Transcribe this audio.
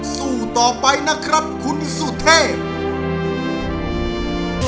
สู้ต่อไปนะครับคุณสุเทพ